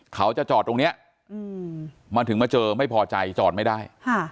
เขาจะจอดตรงนี้มาถึงมาเจอไม่พอใจจอดไม่ได้